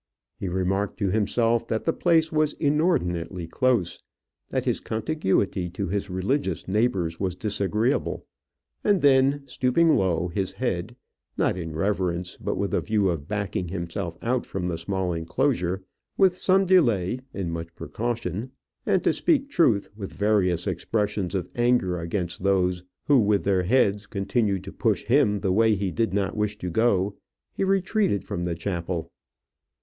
He remarked to himself that the place was inordinately close, that his contiguity to his religious neighbours was disagreeable; and then, stooping low his head, not in reverence, but with a view to backing himself out from the small enclosure, with some delay and much precaution, and, to speak truth, with various expressions of anger against those who with their heads continued to push him the way he did not wish to go, he retreated from the chapel.